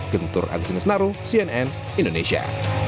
gentur agusinus naru cnn indonesia